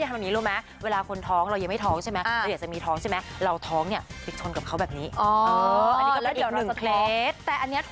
คุณจุ๋ยก็ลองหาคุณแม่เหยียบพี่เทอร์อ่อน